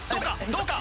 どうか？